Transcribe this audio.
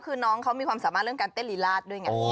คือน้องเขามีความสามารถเรื่องการเต้นลีลาดด้วยไง